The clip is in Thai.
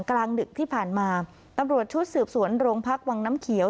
กลางดึกที่ผ่านมาตำรวจชุดสืบสวนโรงพักวังน้ำเขียว